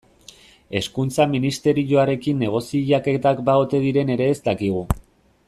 Hezkuntza Ministerioarekin negoziaketak ba ote diren ere ez dakigu.